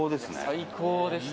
最高でした。